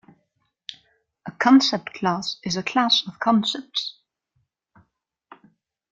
A concept class is a class of concepts.